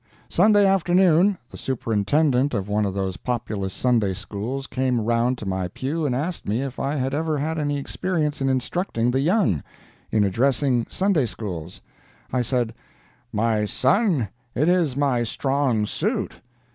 Sunday afternoon, the Superintendent of one of those populous Sunday Schools came around to my pew and asked me if I had ever had any experience in instructing the young—in addressing Sunday Schools. I said, "My son, it is my strong suit."